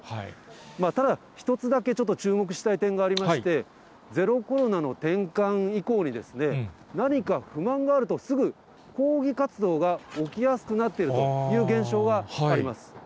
ただ、一つだけちょっと注目したい点がありまして、ゼロコロナの転換以降に、何か不満があるとすぐ抗議活動が起きやすくなっているという現象はあります。